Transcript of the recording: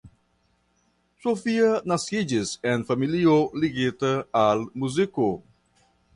Sophia naskiĝis en familio ligita al muziko.